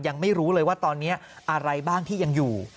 ยังไม่รู้เลยว่าตอนนี้อะไรบ้างที่ยังอยู่